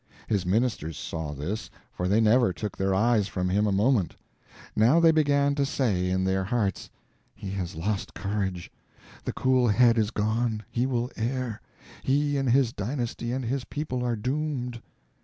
His ministers saw this, for they never took their eyes from him a moment. Now they began to say in their hearts: "He has lost courage the cool head is gone he will err he and his dynasty and his people are doomed!"